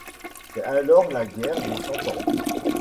C'est alors la Guerre de Cent Ans.